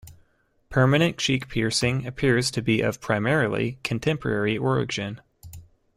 Permanent cheek piercing appears to be of primarily contemporary origin.